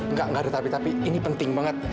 nggak ada tapi tapi ini penting banget